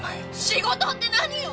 仕事って何よ！